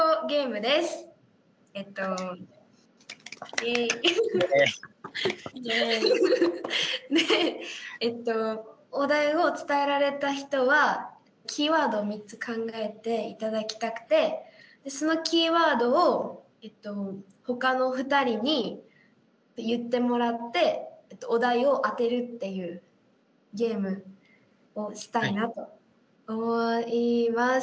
でお題を伝えられた人はキーワードを３つ考えていただきたくてそのキーワードをえっとほかの２人に言ってもらってお題を当てるっていうゲームをしたいなと思います。